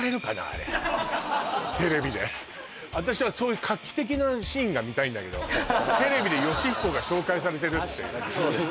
あれテレビで私はそういう画期的なシーンが見たいんだけどテレビでヨシヒコが紹介されてるっていうね